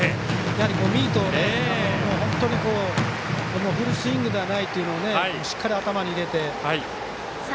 やはりミートを本当にフルスイングではないというのをしっかり頭に入れて。